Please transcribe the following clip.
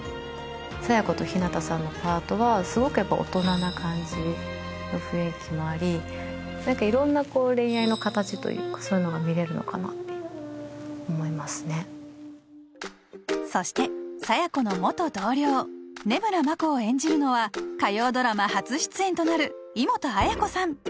佐弥子と日向さんのパートはすごくやっぱ大人な感じの雰囲気もあり何か色んなこう恋愛の形というかそういうのが見れるのかなって思いますねそして佐弥子の元同僚根村眞子を演じるのは火曜ドラマ初出演となるイモトアヤコさん